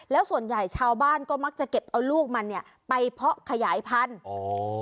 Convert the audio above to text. แล้วส่วนใหญ่ชาวบ้านก็มักจะเก็บเอาลูกมันเนี่ยไปเพาะขยายพันธุ์อ๋อ